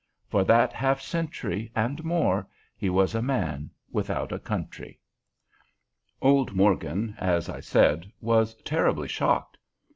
For that half century and more he was a man without a country. Old Morgan, as I said, was terribly shocked.